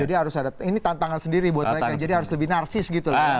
jadi harus ada ini tantangan sendiri buat mereka jadi harus lebih narsis gitu